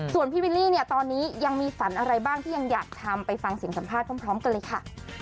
ส่วนพี่วิลลี่เนี่ยตอนนี้ยังมีฝันอะไรบ้างที่ยังอยากทำไปฟังเสียงสัมภาษณ์พร้อมกันเลยค่ะ